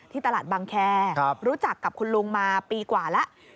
ตลาดบังแครู้จักกับคุณลุงมาปีกว่าแล้ว